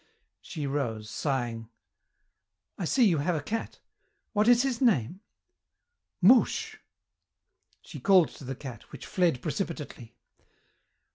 She rose, sighing. "I see you have a cat. What is his name?" "Mouche." She called to the cat, which fled precipitately.